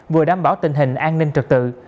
vừa đảm bảo tình hình an ninh trực tự